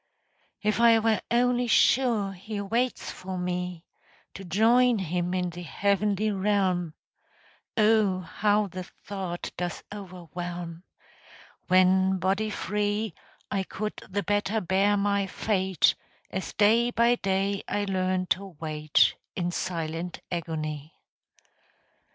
If I were only sure He waits for me To join him in the heavenly realm (Oh, how the thought does overwhelm) When body free, I could the better bear my fate, As day by day I learn to wait In silent agony.